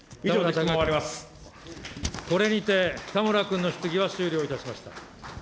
これにて、田村君の質疑は終了いたしました。